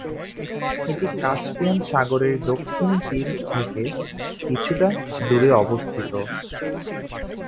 এটি কাস্পিয়ান সাগরের দক্ষিণ তীর থেকে কিছুটা দূরে অবস্থিত।